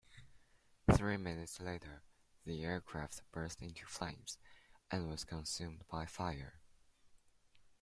Three minutes later, the aircraft burst into flames, and was consumed by fire.